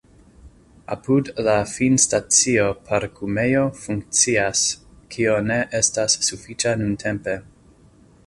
Apud la finstacio parkumejo funkcias, kio ne estas sufiĉa nuntempe.